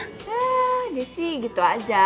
eh dia sih gitu aja